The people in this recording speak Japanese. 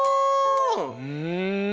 うん！